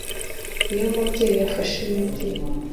iyo umubyeyi yafashe Imiti